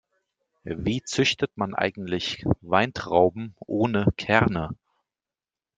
Wie züchtet man eigentlich Weintrauben ohne Kerne?